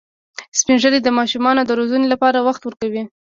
سپین ږیری د ماشومانو د روزنې لپاره وخت ورکوي